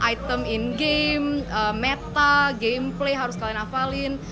item in game meta gameplay harus kalian hafalin